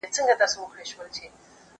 هغه وویل چې کار مهم دی!.